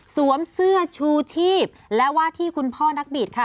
เสื้อชูชีพและว่าที่คุณพ่อนักบิดค่ะ